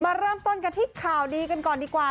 มาเริ่มต้นกันที่ข่าวดีกันก่อนดีกว่า